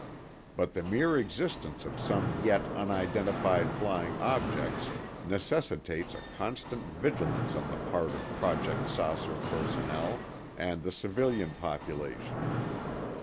But the mere existence of some yet unidentified flying objects necessitates a constant vigilance on the part of Project "Saucer" personnel and the civilian population.